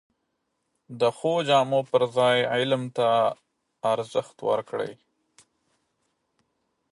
د ښو جامو پر ځای علم ته ارزښت ورکړئ!